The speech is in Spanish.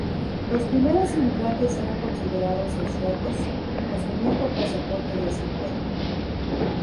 Los primeros inmigrantes eran considerados austriacos, pues venían con pasaporte de ese Imperio.